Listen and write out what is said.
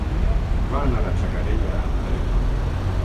Va anar a Xacarella amb tren.